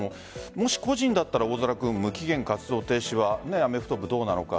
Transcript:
もし個人だったら大空君無期限活動停止はアメフト部、どうなのか。